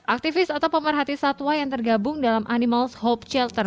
aktivis atau pemerhati satwa yang tergabung dalam animals hope shelter